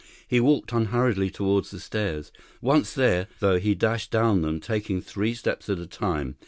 He walked unhurriedly toward the stairs. Once there, though, he dashed down them, taking three steps at a time.